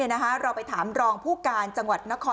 อยากเรียกร้องความเป็นธรรมให้กับผู้ตายก็เลยมาร้องสื่อค่ะ